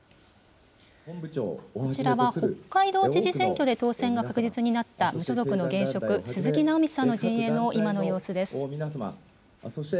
こちらは北海道知事選挙で当選が確実になった無所属の現職、鈴木直道さんの陣営の今の様子です。